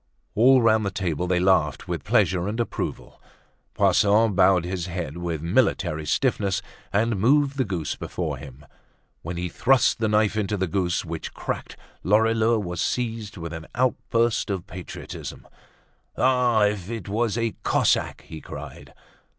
All round the table they laughed with pleasure and approval. Poisson bowed his head with military stiffness, and moved the goose before him. When he thrust the knife into the goose, which cracked, Lorilleux was seized with an outburst of patriotism. "Ah! if it was a Cossack!" he cried.